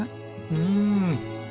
うん。